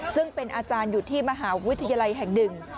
ซึ่งเป็นอาจารย์อยู่ที่มหาวิทยาลัยแห่งหนึ่ง